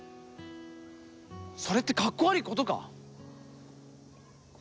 それってかっこ悪い事か？